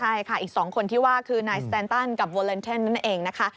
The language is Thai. ใช่ค่ะอีก๒คนที่ว่าคือนายสแตนตันกับเวอร์เลนเทนนั่นเองนะคะ